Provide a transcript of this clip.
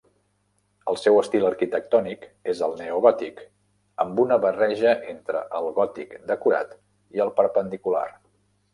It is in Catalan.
El seu estil arquitectònic és el neogòtic, amb una barreja entre el gòtic decorat i el perpendicular.